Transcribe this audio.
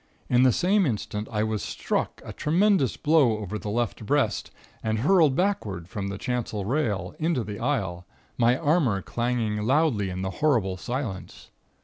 In the same instant I was struck a tremendous blow over the left breast, and hurled backward from the chancel rail, into the aisle, my armor clanging loudly in the horrible silence.